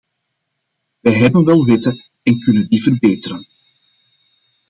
Wij hebben wel wetten en kunnen die verbeteren.